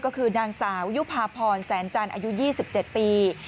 ก็คือนางสาวยุภาพรแสนจันทร์อายุ๒๗ปี